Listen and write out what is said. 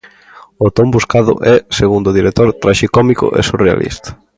O ton buscado é, segundo o director, "traxicómico e surrealista".